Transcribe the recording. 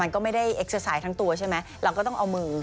กระดูกสัดหลังที่เอง